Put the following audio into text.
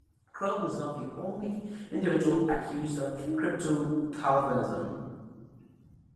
Krell was not the only individual accused of Crypto-Calvinism.